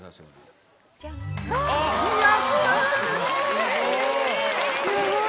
すごい！